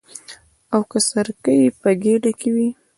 او که سرکه یې په ګېډه کې وي.